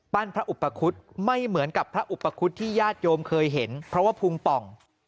พระอุปคุฎไม่เหมือนกับพระอุปคุฎที่ญาติโยมเคยเห็นเพราะว่าพุงป่อง